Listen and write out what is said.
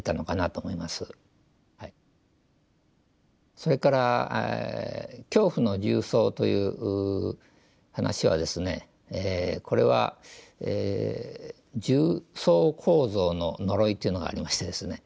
それから「恐怖の重層」という話はですねこれは重層構造の呪いというのがありましてですねで